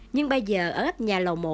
nhưng bây giờ ở gấp nhà lầu một